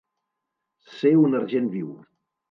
Ser un argent viu.